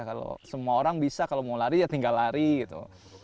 kalau semua orang bisa kalau mau lari ya tinggal lari gitu